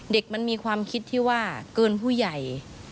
เด็กมันมีความคิดที่ว่าเกินผู้ใหญ่